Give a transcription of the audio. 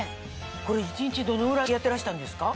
これ一日どのぐらいやってらしたんですか？